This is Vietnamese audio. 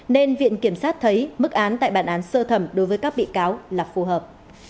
nên viện kiểm sát thấy mức án tại bản án sơ thẩm đối với các bị cáo là phù hợp